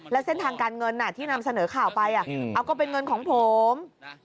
เส้นทางการเงินที่นำเสนอข่าวไปเอาก็เป็นเงินของผม